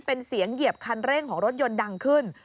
เป็นเสียงเหยียบคันเร่งของรถยนต์ดังขึ้น